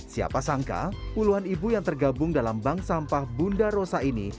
siapa sangka puluhan ibu yang tergabung dalam bank sampah bunda rosa ini